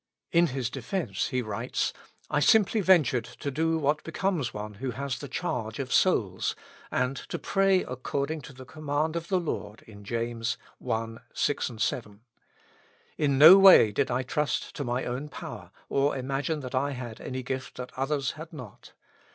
In his defence he writes : "I simply ventured to do what becomes one who has the charge of souls, and to pray according to the command of the Lord in James i. 6, 7. In no way did I trust to my own power, or imagine that I had any gift that others had not.